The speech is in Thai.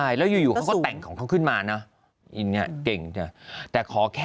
ยากมาก